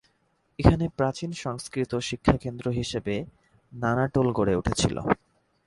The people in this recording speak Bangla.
এখানে প্রাচীন সংস্কৃত শিক্ষাকেন্দ্র হিসেবে নানা টোল গড়ে উঠেছিল।